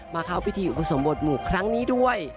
เข้าพิธีอุปสมบทหมู่ครั้งนี้ด้วย